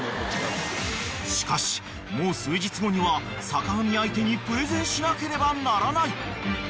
［しかしもう数日後には坂上相手にプレゼンしなければならない］